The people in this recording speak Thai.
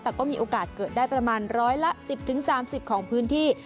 แต่ก็มีโอกาสเกิดได้ประมาณร้อยละ๑๐๓๐ของพื้นที่